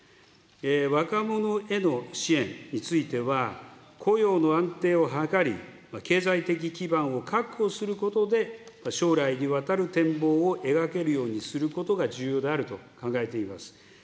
若者への支援については、雇用の安定を図り、経済的基盤を確保することで、将来にわたる展望を描けるようにすることが重要であると考えています。